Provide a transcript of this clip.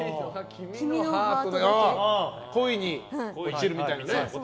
恋に落ちるみたいなね。